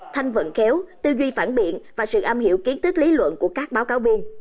thanh vận khéo tư duy phản biện và sự am hiểu kiến thức lý luận của các báo cáo viên